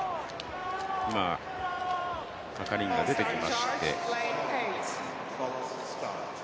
係員が出てきまして。